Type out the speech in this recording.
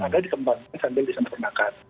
ada dikembangkan sambil disemakernakan